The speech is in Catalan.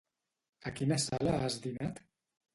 A quina sala has dinat?